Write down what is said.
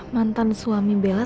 mantan suami bella